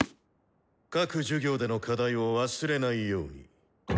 各授業での課題を忘れないように。